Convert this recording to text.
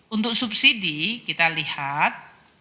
untuk subsidi kita lihat